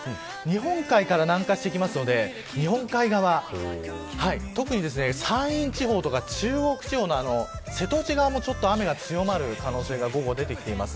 日本海から南下してくるので日本海側、特に山陰地方とか中国地方の瀬戸内側も雨が強まる可能性が午後に出てきています。